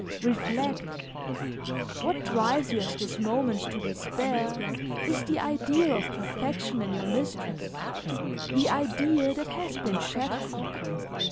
"Reflect: what drives you at this moment to despair is the idea of perfection in your mistress, the idea that has been shattered.